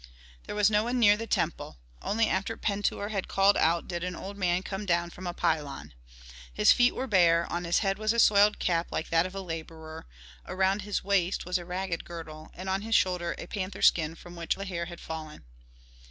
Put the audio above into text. There was no one near the temple. Only after Pentuer had called out did an old man come down from a pylon. His feet were bare, on his head was a soiled cap like that of a laborer, around his waist was a ragged girdle, and on his shoulder a panther skin from which the hair had fallen.